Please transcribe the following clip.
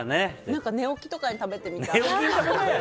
何か寝起きとかに食べてみたい。